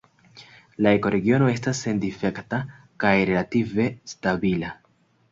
La ekoregiono estas sendifekta kaj relative stabila.